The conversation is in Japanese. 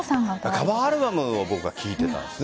カバーアルバムを僕は聴いていたんですね。